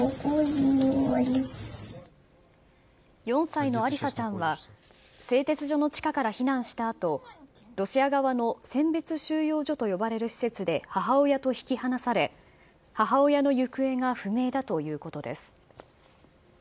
４歳のアリサちゃんは、製鉄所の地下から避難したあと、ロシア側の選別収容所と呼ばれる施設で母親と引き離され、母親の行方が不明だということです。